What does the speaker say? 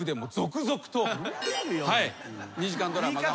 ２時間ドラマが。